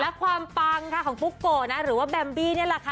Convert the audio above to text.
และความปังของปุ๊บโกะหรือว่าแบมบี้เนี่ยละค่ะ